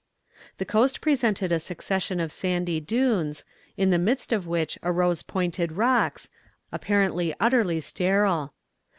The coast presented a succession of sandy dunes, in the midst of which arose pointed rocks, apparently utterly sterile.